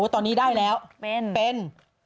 ตอนนี้ได้แล้วเป็น